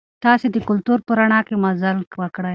تاسي د کلتور په رڼا کې مزل وکړئ.